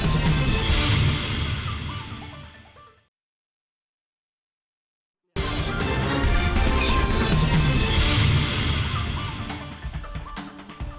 untuk segmen ini saya langsung